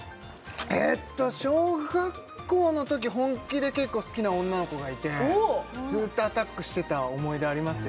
えっと小学校のとき本気で結構好きな女の子がいてずっとアタックしてた思い出ありますよ